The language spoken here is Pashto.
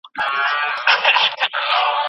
د فقهاوو په اتفاق ميرمن طلاقه سوه.